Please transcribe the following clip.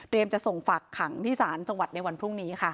จะส่งฝากขังที่ศาลจังหวัดในวันพรุ่งนี้ค่ะ